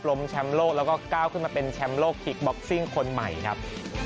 แชมป์โลกแล้วก็ก้าวขึ้นมาเป็นแชมป์โลกคิกบ็อกซิ่งคนใหม่ครับ